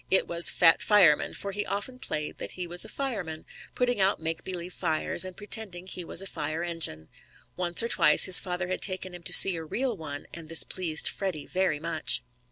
It was "Fat Fireman," for he often played that he was a fireman; putting out makebelieve fires, and pretending he was a fire engine. Once or twice his father had taken him to see a real one, and this pleased Freddie very much.